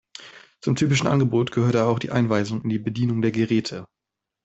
Zum typischen Angebot gehörte auch die Einweisung in die Bedienung der Geräte.